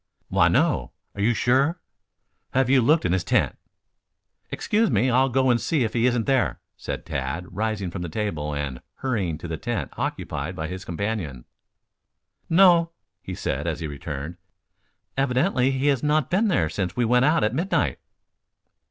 "Why, no. Are you sure? Have you looked in his tent?" "Excuse me, I'll go see if he isn't there," said Tad, rising from the table and hurrying to the tent occupied by his companion. "No," he said as he returned; "evidently he has not been there since we went out at midnight."